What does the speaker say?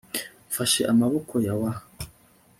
Mfashe amaboko ya wa